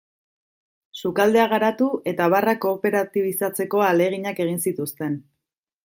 Sukaldea garatu eta barra kooperatibizatzeko ahaleginak egin zituzten.